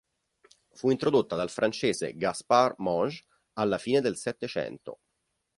Fu introdotta dal francese Gaspard Monge alla fine del Settecento.